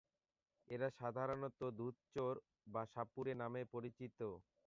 এরা সাধারণত দুধচোর বা সাপুড়ে নামে পরিচিত।